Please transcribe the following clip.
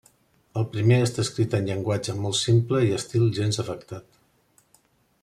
El primer està escrit en llenguatge molt simple i estil gens afectat.